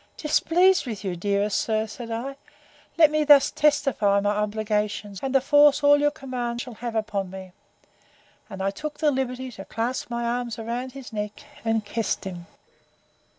—Displeased with you, dearest sir! said I: Let me thus testify my obligations, and the force all your commands shall have upon me. And I took the liberty to clasp my arms about his neck, and kissed him.